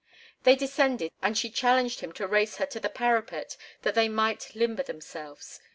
They descended, and she challenged him to race her to the parapet that they might limber themselves.